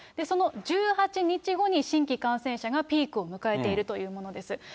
その１８日後に新規感染者がピークを迎えているというものです。